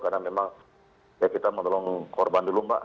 karena memang kita mau tolong korban dulu mbak